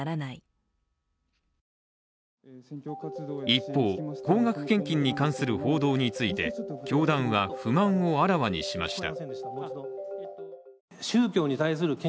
一方、高額献金に関する報道について教団は不満をあらわにしました。